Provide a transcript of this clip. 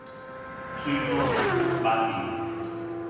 水果酸挽面